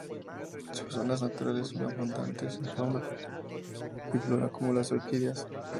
Sus zonas naturales son abundantes en fauna y flora como las orquídeas.